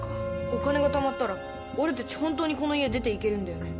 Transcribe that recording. お金がたまったら俺たち本当にこの家出て行けるんだよね？